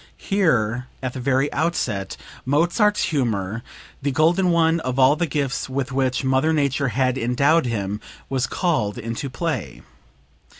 Here, at the very outset, Mozart's humor, the golden one of all the gifts with which Mother Nature had endowed him, was called into play.